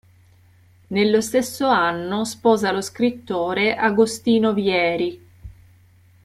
Nello stesso anno sposa lo scrittore Agostino Vieri.